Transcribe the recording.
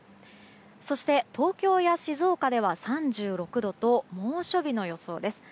そして、東京や静岡では３６度と猛暑日の予想です。